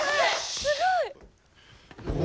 すごい！お！